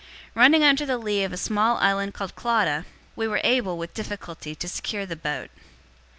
027:016 Running under the lee of a small island called Clauda, we were able, with difficulty, to secure the boat.